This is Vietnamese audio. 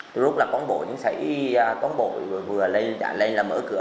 tôi rút là con bồi con bồi vừa lên là mở cửa ra